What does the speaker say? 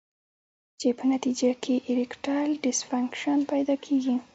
چې پۀ نتېجه کښې ايريکټائل ډسفنکشن پېدا کيږي